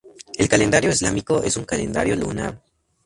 El calendario islámico es un calendario lunar.